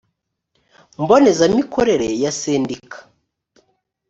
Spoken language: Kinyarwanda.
mboneza mikorere ya sendika